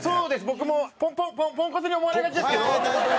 僕もポンポンポンポンコツに思われがちですけど。